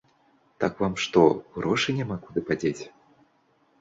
Так вам што, грошы няма куды падзець?